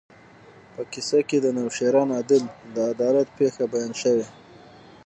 په کیسه کې د نوشیروان عادل د عدالت پېښه بیان شوې.